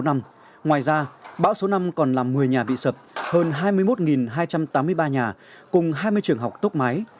ngoài ra bão số năm còn làm một mươi nhà bị sập hơn hai mươi một hai trăm tám mươi ba nhà cùng hai mươi trường học tốc mái